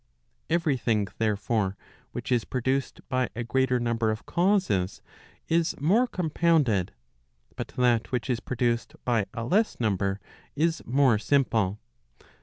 Every thing, therefore, which is produced by a greater number of causes, is more compounded, but that which is produced by a less number is more simple.